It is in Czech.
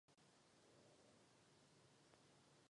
Vida vstřelil gól v prodloužení.